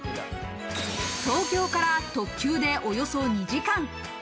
東京から特急でおよそ２時間。